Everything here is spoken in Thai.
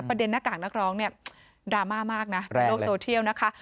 ประเด็นน้ากากนักร้องนี่ดราม่ามากนะโลกโซเทียลนะคะ